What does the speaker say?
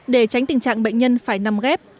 để tránh tình trạng bệnh nhân phải nằm ghép